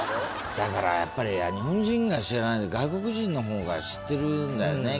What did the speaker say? だからやっぱり日本人が知らないで外国人の方が知ってるんだよねきっとね。